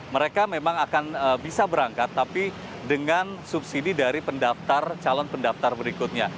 mereka memang akan bisa berangkat tapi dengan subsidi dari calon pendaftar berikutnya